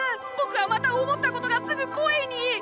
僕はまた思ったことがすぐ声に。